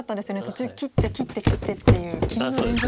途中切って切って切ってっていう切りの連続で。